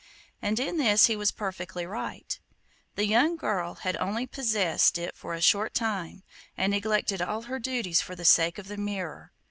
And in this he was perfectly right. The young girl had only possessed it for a short time, and neglected all her duties for the sake of the mirror.